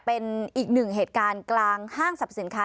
เป็นอีกหนึ่งเหตุการณ์กลางห้างสรรพสินค้า